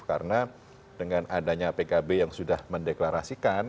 karena dengan adanya pkb yang sudah mendeklarasikan